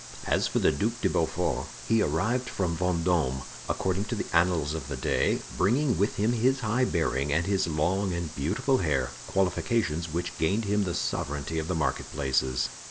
As for the Duc de Beaufort, he arrived from Vendome, according to the annals of the day, bringing with him his high bearing and his long and beautiful hair, qualifications which gained him the sovereignty of the marketplaces.